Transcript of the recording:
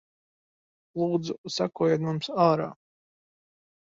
Lūdzu sekojiet mums ārā.